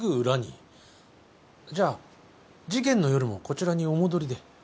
じゃあ事件の夜もこちらにお戻りで？